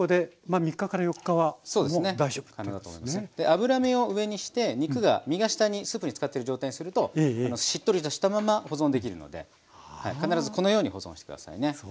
脂身を上にして肉が身が下にスープにつかってる状態にするとしっとりとしたまま保存できるので必ずこのように保存して下さいね。